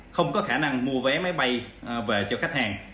không có khả năng mua vé máy bay về cho khách hàng